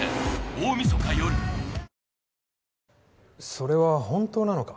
それは本当なのか？